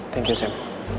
thank you sam